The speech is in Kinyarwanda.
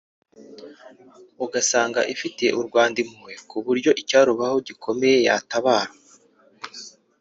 ugasanga ifitiye u Rwanda impuhwe ku buryo icyarubaho gikomeye yatabara